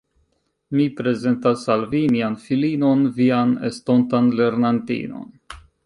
Mi prezentas al vi mian filinon, vian estontan lernantinon.